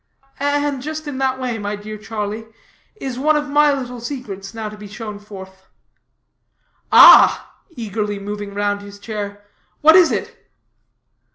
"And just in that way, my dear Charlie, is one of my little secrets now to be shown forth." "Ah!" eagerly moving round his chair, "what is it?"